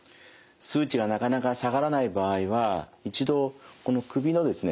数値がなかなか下がらない場合は一度この首のですね